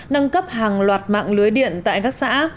nâng cấp hàng loạt mạng lưới điện tại các xã